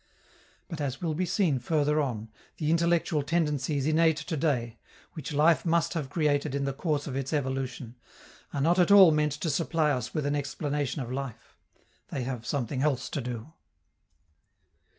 But, as will be seen further on, the intellectual tendencies innate to day, which life must have created in the course of its evolution, are not at all meant to supply us with an explanation of life: they have something else to do.